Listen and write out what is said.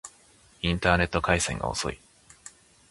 インターネット回線が遅い